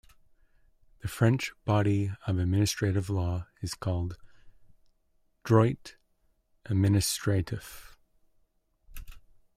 The French body of administrative law is called "droit administratif".